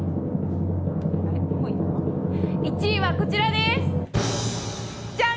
１位はこちらです、ジャン！